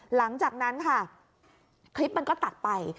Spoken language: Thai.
หลังจากนั้นค่ะคลิปมันก็ตัดไป